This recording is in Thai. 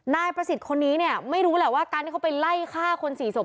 นายประสิทธิ์คนนี้เนี่ยไม่รู้แหละว่าการที่เขาไปไล่ฆ่าคนสี่ศพ